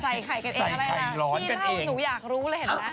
ที่เราหนูอยากรู้เลยเห็นไหม